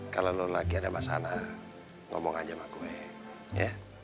kalau lo lagi ada masalah ngomong aja sama gue ya